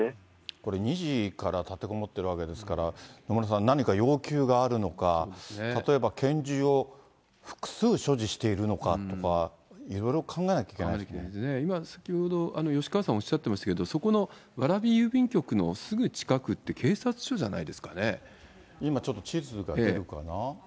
これ、２時から立てこもってるわけですから、野村さん、何か要求があるのか、例えば拳銃を複数所持しているのかとか、いろいろ考えてい今、先ほど吉川さんおっしゃってますけど、そこの蕨郵便局のすぐ近くって、警察署じゃないで今ちょっと地図が出るかな。